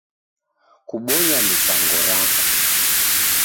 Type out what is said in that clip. Kubonya mipango rako.